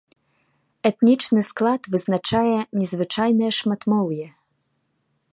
Этнічны склад вызначае незвычайнае шматмоўе.